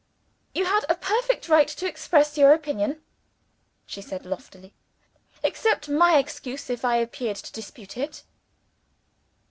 "You had a perfect right to express your opinion," she said loftily. "Accept my excuses if I appeared to dispute it."